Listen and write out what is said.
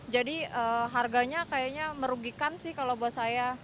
jadi harganya kayaknya merugikan sih kalau buat saya